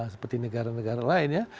seperti negara negara lain ya